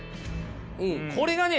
これがね